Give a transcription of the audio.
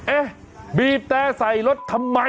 เอ๊ะบีบแต่ใส่รถทำไม